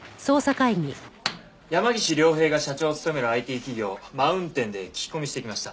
山岸凌平が社長を務めるＩＴ企業マウンテンで聞き込みしてきました。